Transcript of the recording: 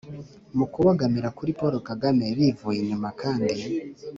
mu kubogamira kuri paul kagame bivuye inyuma kandi